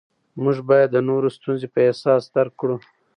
موږ باید د نورو ستونزې په احساس درک کړو